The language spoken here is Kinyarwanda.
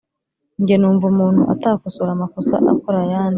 Nge numva umuntu atakosora amakosa akora ayandi.